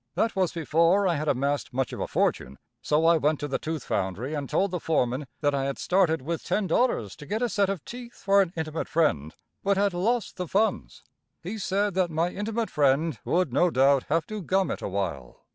That was before I had amassed much of a fortune, so I went to the tooth foundry and told the foreman that I had started with $10 to get a set of teeth for an intimate friend, but had lost the funds. He said that my intimate friend would, no doubt, have to gum it awhile.